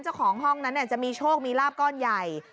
เจ้าของห้องนั้นจะมีโชคมีลาบก้อนใหญ่